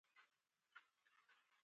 د ځینو په مرګ کې د ډېرو نورو پرده وي.